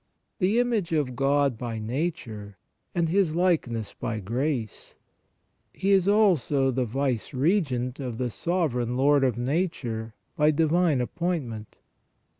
The image of God by nature, and His likeness by grace, he is also the vicegerent of the Sovereign Lord of nature by divine ap pointment.